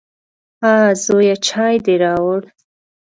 _ها زويه، چای دې راووړ؟